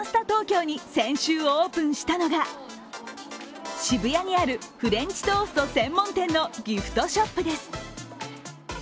東京に先週オープンしたのが渋谷にあるフレンチトースト専門店のギフトショップです。